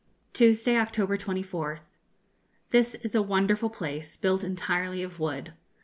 Tuesday, October 24th. This is a wonderful place, built entirely of wood.